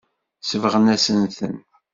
Sebɣent-asen-ten.